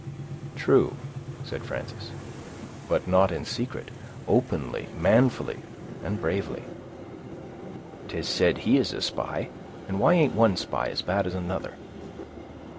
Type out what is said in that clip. "True," said Frances, "but not in secret—openly, manfully, and bravely." "'Tis said he is a spy, and why ain't one spy as bad as another?"